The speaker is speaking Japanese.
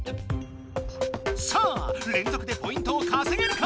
さあれんぞくでポイントをかせげるか？